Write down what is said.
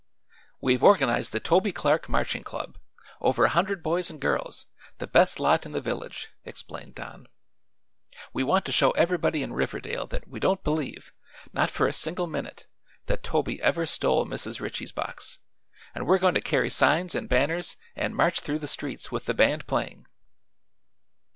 "We've organized the Toby Clark Marching Club over a hundred boys and girls the best lot in the village," explained Don. "We want to show everybody in Riverdale that we don't believe not for a single minute that Toby ever stole Mrs. Ritchie's box, and we're going to carry signs an' banners an' march through the streets with the band playing."